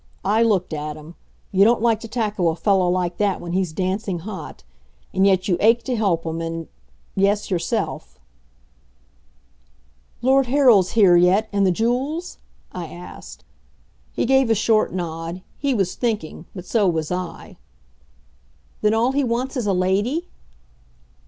I looked at him. You don't like to tackle a fellow like that when he's dancing hot. And yet you ache to help him and yes, yourself. "Lord Harold's here yet, and the jewels?" I asked. He gave a short nod. He was thinking. But so was I. "Then all he wants is a Lady?"